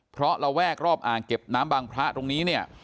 เพราะระแวกรอบอ่างเก็บน้ำบางพระตรงนี้เนี่ย